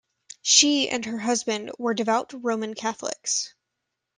She and her husband were devout Roman Catholics.